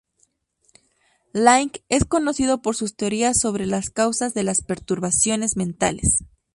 Laing es conocido por sus teorías sobre las causas de las perturbaciones mentales.